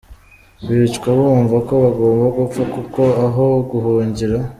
Bicwa bumva ko bagomba gupfa kuko aho guhungira.